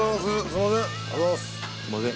すんません。